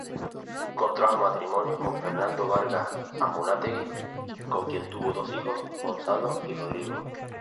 Contrajo matrimonio con Fernando Vargas Amunátegui con quien tuvo dos hijos: Gonzalo y Rodrigo.